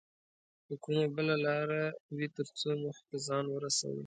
که کومه بله لاره وي تر څو موخې ته ځان ورسوو